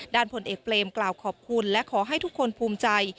ผลเอกเปรมกล่าวขอบคุณและขอให้ทุกคนภูมิใจ